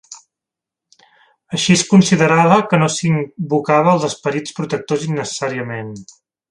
Així es considerava que no s'invocava els esperits protectors innecessàriament.